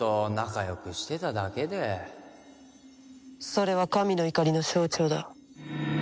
それは神の怒りの象徴だ。